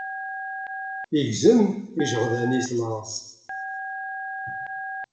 Igzem ijeɣdan-is laẓ.